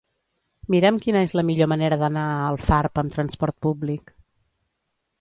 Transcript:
Mira'm quina és la millor manera d'anar a Alfarb amb transport públic.